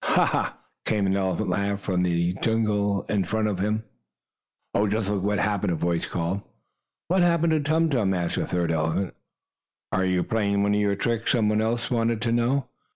"Ha! Ha!" came an elephant laugh from the jungle in front of Tum Tum. "Oh, just look at him!" a voice called. "What happened, Tum Tum?" asked a third elephant. "Are you playing one of your tricks?" some one else wanted to know.